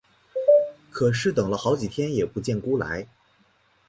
可是等了好几天也不见辜来。